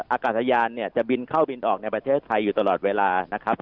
อากาศยานเนี่ยจะบินเข้าบินออกในประเทศไทยอยู่ตลอดเวลานะครับ